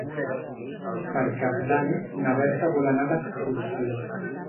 Per Cap d'Any na Berta vol anar d'excursió.